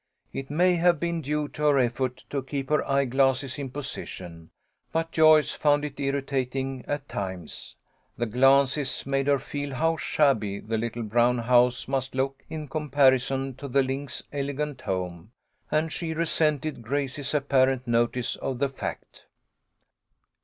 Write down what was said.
It may have been due to her effort to keep her eye glasses in position, but Joyce found it irritating at times. The glances made her feel how shabby the little brown house must look in comparison to the Links' elegant home, and she resented Grace's apparent notice of the fact.